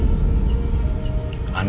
dan juga ada nomor henry